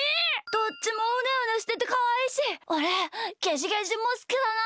どっちもうねうねしててかわいいしおれゲジゲジもすきだな。